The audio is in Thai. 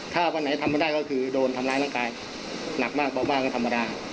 ถ้าวันไหนทำไม่ได้ก็คือโดนทำร้ายร่างกายหนักมากเบามากก็ธรรมดา